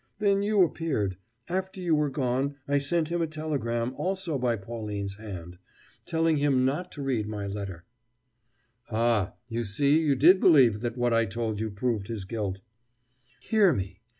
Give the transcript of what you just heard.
Then you appeared. After you were gone, I sent him a telegram, also by Pauline's hand, telling him not to read my letter " "Ah, you see you did believe that what I told you proved his guilt " "Hear me....